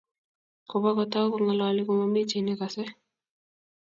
Nepo kotau kongalali komamii chii nekasei